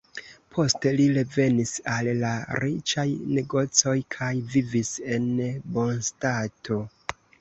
Poste li revenis al la riĉaj negocoj kaj vivis en bonstato.